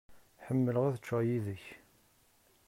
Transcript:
Ḥemmleɣ ad cceɣ yid-k.